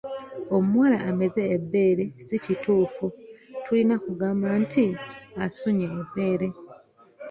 Omuwala ameze ebbeere si kituufu, tulina kugamba nti asunye ebbeere.